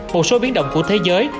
một số biển đồng của thế giới